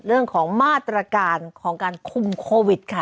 เรื่องของมาตรการของการคุมโควิดค่ะ